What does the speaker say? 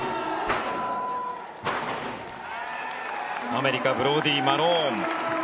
アメリカブローディー・マローン。